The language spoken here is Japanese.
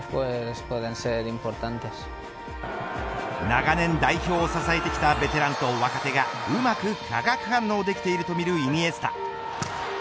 長年代表を支えてきたベテランと若手がうまく化学反応できているとみるイニエスタ。